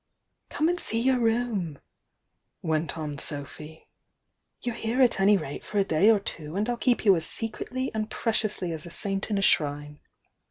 ^ ''Come and see your room," went on Sophy. "You're here at any rate for a day or two, and I'll keep you as secretly and preciously as a saint in a shrine.